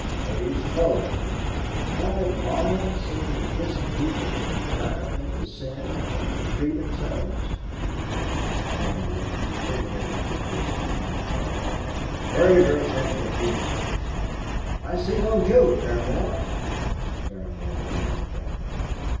What do you suppose?" "Do you call it moral so to imprison people that you drive them to sin in order to free themselves?" Mr. Paramor obliterated the face on his blotting pad. "Where's your sense of humour?" he said. "I see no joke, Paramor." Mr. Paramor leaned forward.